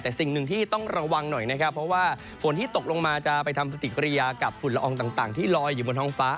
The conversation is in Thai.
แต่สิ่งหนึ่งที่ต้องระวังหน่อยนะครับเพราะว่าฝนที่ตกลงมาจะไปทำปฏิกิริยากับฝุ่นละอองต่างที่ลอยอยู่บนท้องฟ้า